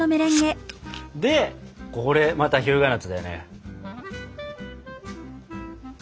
でこれまた日向夏だよね。